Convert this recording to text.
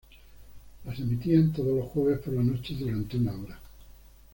Las emitían todos los jueves por la noche durante una hora.